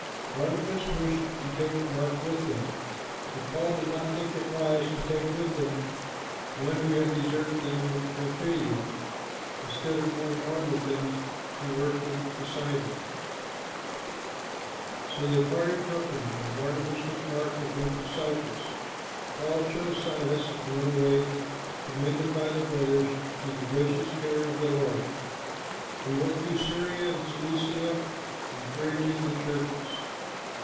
Barnabas wished to take Mark with them, but Paul did not think it wise to take with them one who had deserted them in Pamphylia instead of going on with them to work in Pisidia. So they parted company, and Barnabas took Mark with him to Cyprus. Paul chose Silas and went away, commended by the brothers to the gracious care of the Lord. He went through Syria and Cilicia, encouraging the churches.